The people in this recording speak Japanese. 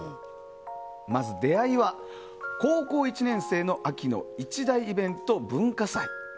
まず出会いは高校１年生の秋の一大イベント文化祭。